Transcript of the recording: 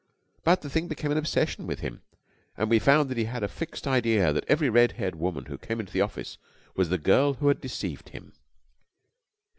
But the thing became an obsession with him, and we found that he had a fixed idea that every red haired woman who came into the office was the girl who had deceived him.